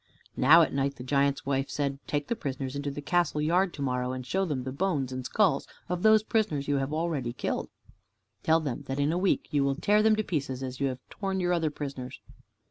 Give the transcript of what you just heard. Now at night the giant's wife said: "Take the prisoners into the castle yard to morrow, and show them the bones and skulls of those prisoners you have already killed. Tell them that in a week you will tear them to pieces, as you have torn your other prisoners."